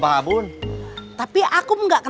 saya tidak ada yang menguruskan